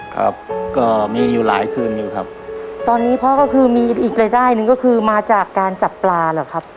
ครับก็มีอยู่หลายคืนอยู่ครับตอนนี้พ่อก็คือมีอีกรายได้หนึ่งก็คือมาจากการจับปลาเหรอครับ